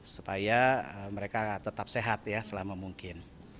supaya mereka tetap sehat ya selama mungkin